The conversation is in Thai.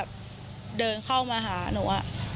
เขาก็เดินเข้ามาหาหนู